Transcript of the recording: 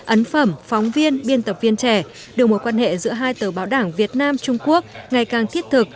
ấn phẩm phóng viên biên tập viên trẻ đưa mối quan hệ giữa hai tờ báo đảng việt nam trung quốc ngày càng thiết thực